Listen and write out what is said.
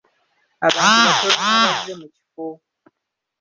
Abantu batono abazze mu kifo.